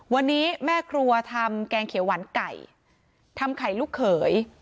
วันนี้แม่ครัวทำแกงเขียวหวานไก่ทำไข่ลูกเขย